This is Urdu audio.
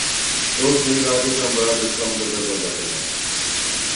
تو اس نئی راہ کے ثمرات اس کا مقدر بن جاتے ہیں ۔